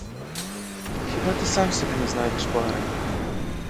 Хіба ти сам собі не знайдеш пари?